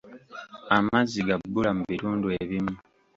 Amazzi ga bbula mu bitundu ebimu.